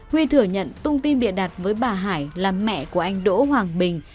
huy thừa nhận tung tin địa đặt với bà hải là mẹ của anh đỗ hoàng bình